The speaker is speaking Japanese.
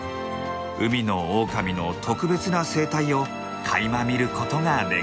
海のオオカミの特別な生態をかいま見ることができました。